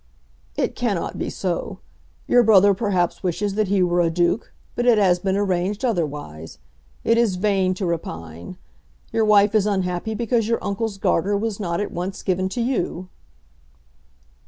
"It cannot be so. Your brother perhaps wishes that he were a Duke, but it has been arranged otherwise. It is vain to repine. Your wife is unhappy because your uncle's Garter was not at once given to you."